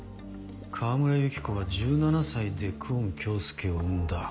川村由紀子は１７歳で久遠京介を産んだ。